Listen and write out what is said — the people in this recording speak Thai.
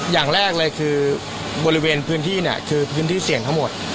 อย่างแรกเลยคือบริเวณพื้นที่เนี่ยคือพื้นที่เสี่ยงทั้งหมด